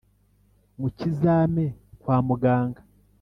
Mu kizame kwa Muganga;